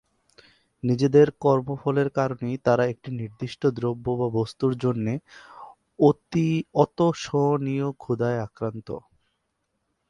নিজেদের কর্ম ফলের কারণেই তারা একটি নির্দিষ্ট দ্রব্য বা বস্তুর জন্যে অতোষণীয় ক্ষুধায় আক্রান্ত।